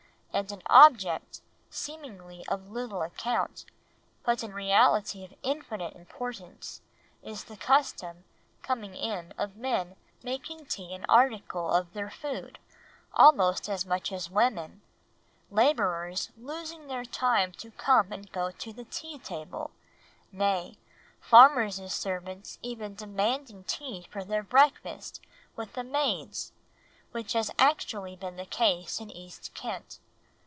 And an object, seemingly, of little account, but in reality of infinite importance, is the custom, coming in, of men making tea an article of their food, almost as much as women; labourers losing their time to come and go to the tea table; nay, farmers' servants even demanding tea for their breakfast, with the maids! Which has actually been the case in East Kent.